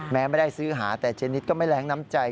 แม้ไม่ได้ซื้อหาแต่เจนิดก็ไม่แรงน้ำใจ